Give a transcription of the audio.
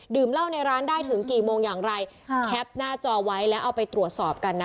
เหล้าในร้านได้ถึงกี่โมงอย่างไรค่ะแคปหน้าจอไว้แล้วเอาไปตรวจสอบกันนะ